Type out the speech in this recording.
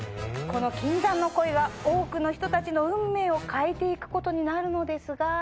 この禁断の恋が多くの人たちの運命を変えて行くことになるのですが。